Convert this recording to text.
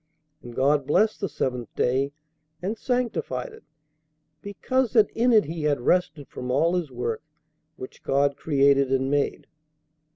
And God blessed the seventh day, and sanctified it: because that in it he had rested from all his work which God created and made."